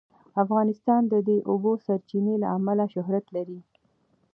افغانستان د د اوبو سرچینې له امله شهرت لري.